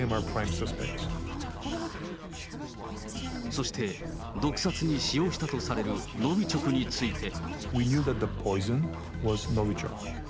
そして毒殺に使用したとされるノビチョクについて。